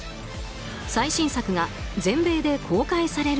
最新作が全米で公開される